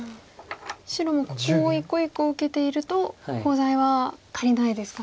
白もここを１個１個受けているとコウ材は足りないですか。